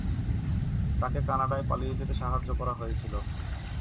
তাকে কানাডায় পালিয়ে যেতে সাহায্য করা হয়েছিল।